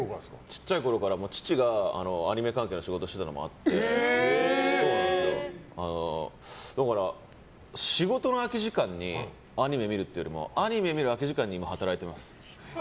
ちっちゃいころから父がアニメ関係の仕事をしていたのもあって仕事の空き時間にアニメ見るっていうよりもアニメ見る空き時間に働いてます。